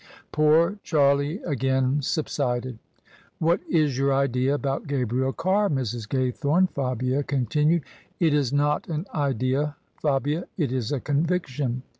Poor Charlie again subsided. "What is your idea about Gabriel Carr, Mrs. Gay thome?" Fabia continued. " It is not an idea, Fabia; it is a conviction.